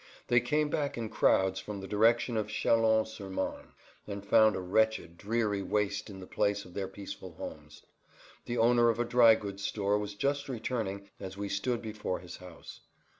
They came back in crowds from the direction of Châlons sur Marne, and found a wretched, dreary waste in the place of their peaceful homes. The owner of a dry goods store was just returning as we stood before his house.